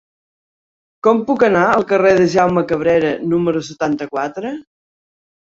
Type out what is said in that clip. Com puc anar al carrer de Jaume Cabrera número setanta-quatre?